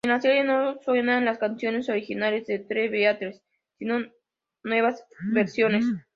En la serie no suenan las canciones originales de The Beatles, sino nuevas versiones.